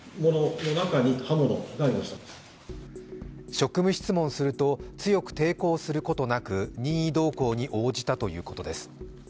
職務質問すると、強く抵抗することなく任意同行に応じたということです。